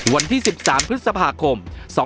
วันที่๑๓พฤษภาคม๒๕๖๒